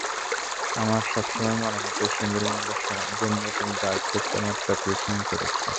আমার সবসময় মনেহত, এই সুন্দরী মহিলার জন্যই তুমি ডার্ককে তোমার চ্যাপেল সঙ্গী করেছো।